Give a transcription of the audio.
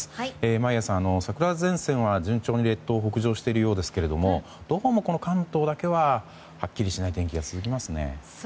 眞家さん、桜前線は順調に列島を北上しているようですがどうもこの関東だけははっきりしない天気が続きますね。